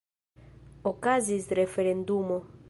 Okazis referendumo.